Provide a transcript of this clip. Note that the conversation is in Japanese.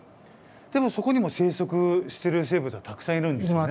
でもそこにも生息してる生物はたくさんいるんですよね。